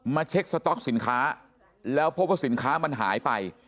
เช็คสต๊อกสินค้าแล้วพบว่าสินค้ามันหายไป